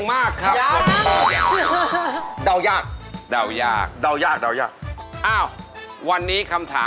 หมอทำกว่าหน้า